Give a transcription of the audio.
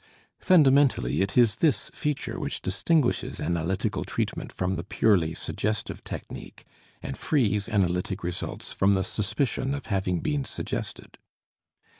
Fundamentally it is this feature which distinguishes analytical treatment from the purely suggestive technique and frees analytic results from the suspicion of having been suggested.